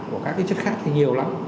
của các cái chất khác thì nhiều lắm